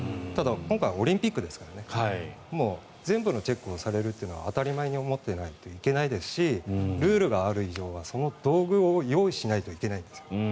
ただ、今回はオリンピックですからもう全部のチェックをされるというのが当たり前に思っていないといけないですしルールがある以上はその道具を用意しないといけないんです。